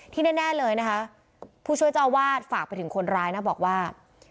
แน่เลยนะคะผู้ช่วยเจ้าอาวาสฝากไปถึงคนร้ายนะบอกว่า